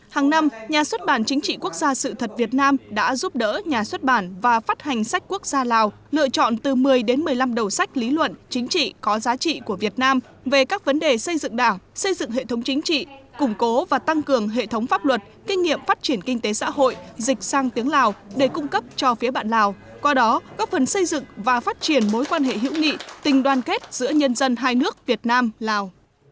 hàng năm nhà xuất bản chính trị quốc gia sự thật việt nam đã giúp đỡ nhà xuất bản và phát hành sách quốc gia lào lựa chọn từ một mươi đến một mươi năm đầu sách lý luận chính trị có giá trị của việt nam về các vấn đề xây dựng đảo xây dựng hệ thống chính trị củng cố và tăng cường hệ thống pháp luật kinh nghiệm phát triển kinh tế xã hội dịch sang tiếng lào để cung cấp cho phía bạn lào qua đó góp phần xây dựng và phát triển mối quan hệ hữu nghị tình đoàn kết giữa nhân dân hai nước việt nam lào